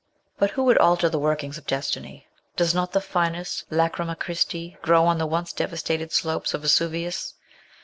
But who would alter the workings of destiny ? Does not the finest Lacryma Christi grow on the once devastated slopes of Vesuvius